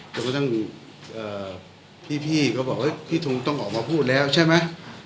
แล้วก็ตั้งพี่ก็บอกพี่ต้องออกมาพูดแล้วใช่ไหม